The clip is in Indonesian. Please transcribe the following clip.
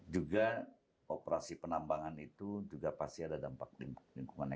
juga operasi penambangan itu juga pasti ada dampak lingkungannya